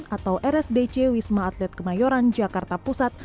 atau rsdc wisma atlet kemayoran jakarta pusat